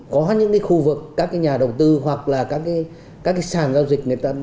có những cái khu vực các cái nhà đầu tư hoặc là các cái sàn giao dịch người ta